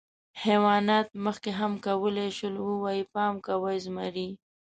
حیواناتو مخکې هم کولی شول، ووایي: «پام کوئ، زمری!».